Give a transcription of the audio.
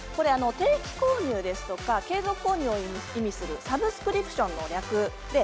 定期購入とか継続購入を意味するサブスクリプションの略です。